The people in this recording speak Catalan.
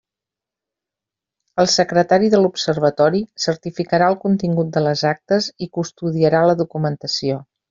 El secretari de l'Observatori certificarà el contingut de les actes i custodiarà la documentació.